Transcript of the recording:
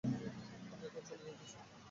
আমি এখন চলে যেতে চাই।